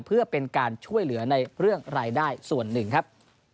เพื่อเป็นการช่วยเหลือในเรื่องรายได้ส่วนหนึ่งครับ